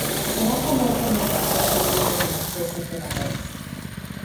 Su trabajo más renombrado es el "Rollo de los trece emperadores".